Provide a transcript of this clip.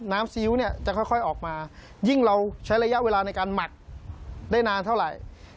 ซีอิ๊วเนี่ยจะค่อยออกมายิ่งเราใช้ระยะเวลาในการหมักได้นานเท่าไหร่